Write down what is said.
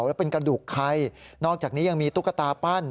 แล้วเป็นกระดูกใครนอกจากนี้ยังมีตุ๊กตาปั้น